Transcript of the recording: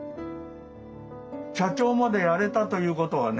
社長までやれたということはね